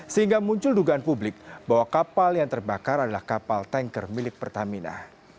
sehingga muncul dugaan publik bahwa kapal yang terbakar adalah kapal tanker milik pertamina